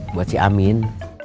buat si amin